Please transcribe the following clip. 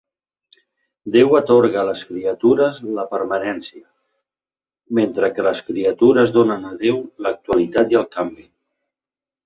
Déu atorga a les criatures la permanència, mentre que les criatures donen a Déu l'actualitat i el canvi.